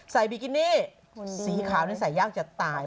บิกินี่สีขาวนี่ใส่ยากจะตาย